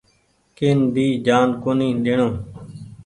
ڪين ڀي جآن ڪونيٚ ۮيڻو۔